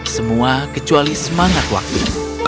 semua kecuali semangat waktu